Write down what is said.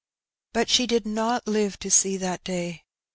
But she did not live to see that day.